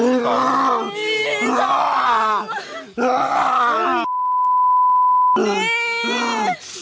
นี่นี่นี่